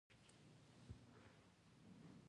هندوکش د شنو سیمو یوه ښکلا ده.